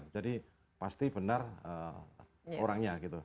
jadi pasti benar orangnya gitu